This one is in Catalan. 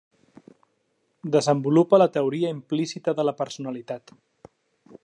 Desenvolupa la Teoria implícita de la personalitat.